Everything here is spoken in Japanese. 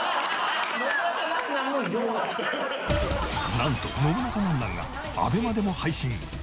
なんと『ノブナカなんなん？』がＡＢＥＭＡでも配信。